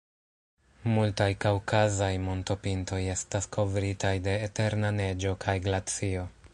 Multaj kaŭkazaj montopintoj estas kovritaj de eterna neĝo kaj glacio.